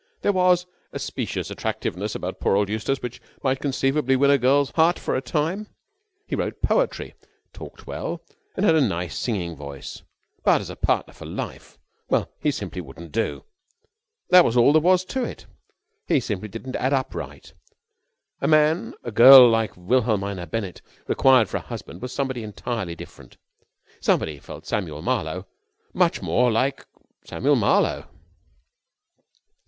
There was a specious attractiveness about poor old Eustace which might conceivably win a girl's heart for a time; he wrote poetry, talked well, and had a nice singing voice; but, as a partner for life ... well, he simply wouldn't do. That was all there was to it. He simply didn't add up right. The man a girl like Wilhelmina Bennett required for a husband was somebody entirely different ... somebody, felt Samuel Marlowe, much more like Samuel Marlowe.